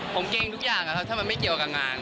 ผมเกรงทุกอย่างนะครับถ้ามันไม่เกี่ยวกับงาน